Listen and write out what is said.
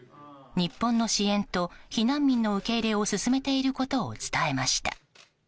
日本の支援と避難民の受け入れを進めていることを伝えました。